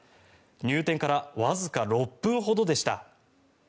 入店からわずか６分ほどでした。